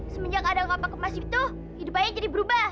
semenjak ada kapak emas itu hidup ayah jadi berubah